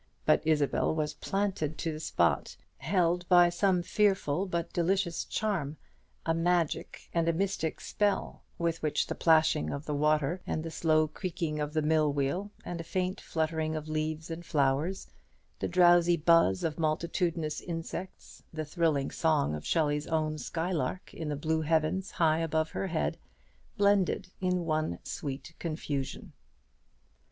But Isabel was planted to the spot, held by some fearful but delicious charm, a magic and a mystic spell, with which the plashing of the water, and the slow creaking of the mill wheel, and a faint fluttering of leaves and flowers, the drowzy buzz of multitudinous insects, the thrilling song of Shelley's own skylark in the blue heavens high above her head, blended in one sweet confusion.